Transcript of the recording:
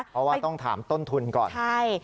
เพราะว่าต้องถามต้นทุนก่อนก่อนใช่